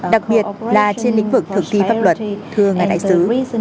đặc biệt là trên lĩnh vực thực thi pháp luật thưa ngài đại sứ